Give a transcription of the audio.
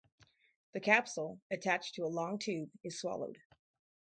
The capsule, attached to a long tube, is swallowed.